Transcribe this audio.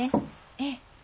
ええ。